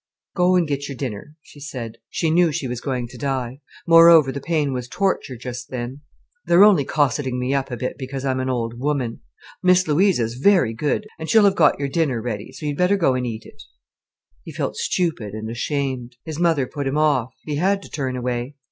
"Go an' get your dinner," she said. She knew she was going to die: moreover, the pain was torture just then. "They're only cosseting me up a bit because I'm an old woman. Miss Louisa's very good—and she'll have got your dinner ready, so you'd better go and eat it." He felt stupid and ashamed. His mother put him off. He had to turn away.